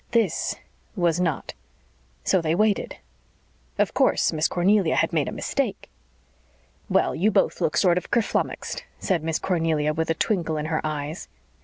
This was not. So they waited. Of course Miss Cornelia had made a mistake. "Well, you both look sort of kerflummexed," said Miss Cornelia, with a twinkle in her eyes.